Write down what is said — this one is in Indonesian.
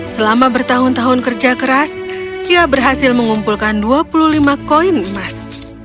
selama bertahun tahun kerja keras cia berhasil mengumpulkan dua puluh lima koin emas